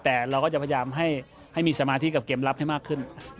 แต่เราก็จะพยายามให้มีสมาธิกับเกมรับให้มากขึ้น